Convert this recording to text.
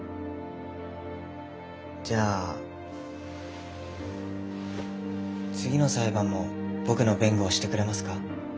じゃあ次の裁判も僕の弁護をしてくれますか？